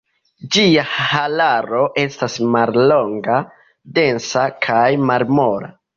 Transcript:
Ĝia hararo estas mallonga, densa kaj malmola.